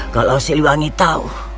kalau siliwangi tahu